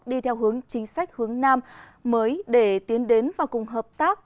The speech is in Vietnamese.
đi theo hướng chính sách hướng nam mới để tiến đến và cùng hợp tác